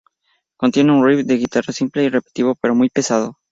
Contiene un riff de guitarra simple y repetitivo, pero muy pesado.